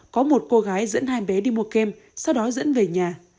có một cô gái dẫn hai bé đi mua game sau đó dẫn về nhà